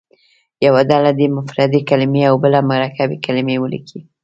یوه ډله دې مفردې کلمې او بله مرکبې کلمې ولیکي.